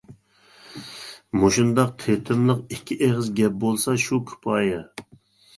مۇشۇنداق تېتىملىق ئىككى ئېغىز گەپ بولسا، شۇ كۇپايە.